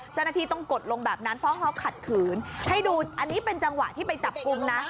เจ้าหน้าที่ต้องกดลงแบบนั้นเพราะเขาขัดขืนให้ดูอันนี้เป็นจังหวะที่ไปจับกลุ่มนะ